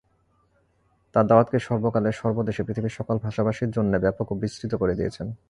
তাঁর দাওয়াতকে সর্বকালে সর্বদেশে পৃথিবীর সকল ভাষাভাষীর জন্যে ব্যাপক ও বিস্তৃত করে দিয়েছেন।